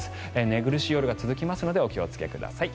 寝苦しい夜が続きますのでお気をつけください。